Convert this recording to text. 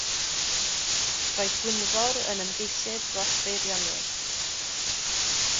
Roedd Gwynfor yn ymgeisydd dros Feirionnydd.